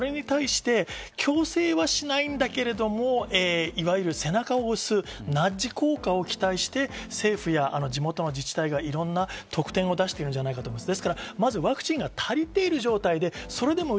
それに対して強制はしないんだけれども、いわゆる背中を押す、ナッジ効果を期待して、政府はいろんな得点を出しているんじゃないかと思います。